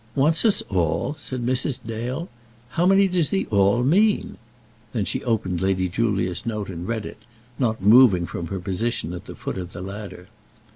"Wants us all!" said Mrs. Dale. "How many does the all mean?" Then she opened Lady Julia's note and read it, not moving from her position at the foot of the ladder.